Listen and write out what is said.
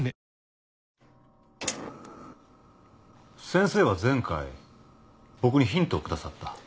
先生は前回僕にヒントをくださった。